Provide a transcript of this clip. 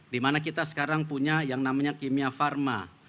dimana kita sekarang punya yang namanya kimia pharma